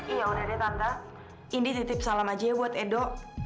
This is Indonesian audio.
iya udah deh tante indi titip salam aja buat edo